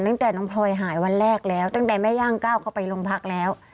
ตั้งแต่น้องพลอยหายวันแรกแล้วตั้งแต่แม่ย่างก้าวเข้าไปโรงพักแล้ว